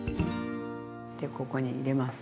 でここに入れます。